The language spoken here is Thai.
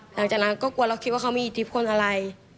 หลังจากนั้นก็กลัวเราคิดว่าเขามีอิทธิพลอะไร